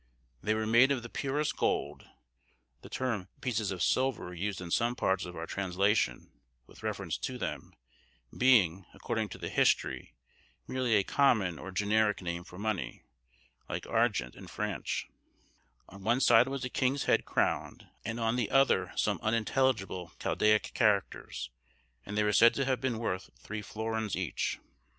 They were made of the purest gold, the term pieces of silver used in some parts of our translation with reference to them, being, according to the history, merely a common or generic name for money, like argent in French; on one side was a king's head crowned, and on the other some unintelligible Chaldaic characters, and they were said to have been worth three florins each.